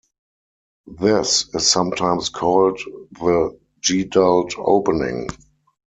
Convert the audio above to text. This is sometimes called the Gedult Opening.